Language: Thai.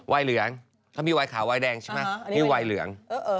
เหลืองเขามีวายขาววายแดงใช่ไหมมีวายเหลือง